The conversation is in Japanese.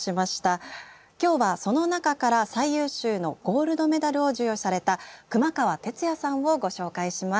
今日はその中から最優秀のゴールドメダルを授与された熊川哲也さんをご紹介します。